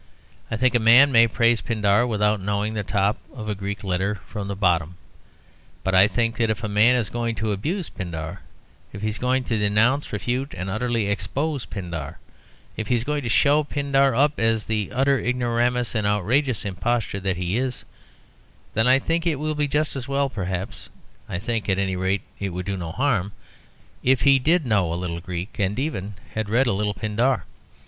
I think a man may praise Pindar without knowing the top of a Greek letter from the bottom. But I think that if a man is going to abuse Pindar, if he is going to denounce, refute, and utterly expose Pindar, if he is going to show Pindar up as the utter ignoramus and outrageous impostor that he is, then I think it will be just as well perhaps I think, at any rate, it would do no harm if he did know a little Greek, and even had read a little Pindar.